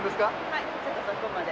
はいちょっとそこまで。